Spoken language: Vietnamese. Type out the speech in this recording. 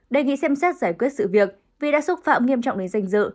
đề nghị xem xét giải quyết sự việc vì đã xúc phạm nghiêm trọng đến danh dự